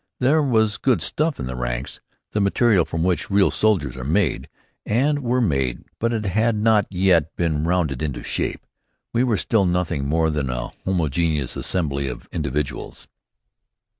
There was good stuff in the ranks, the material from which real soldiers are made, and were made; but it had not yet been rounded into shape. We were still nothing more than a homogeneous assembly of individuals.